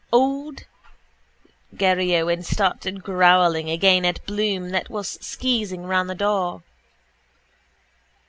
Old Garryowen started growling again at Bloom that was skeezing round the door.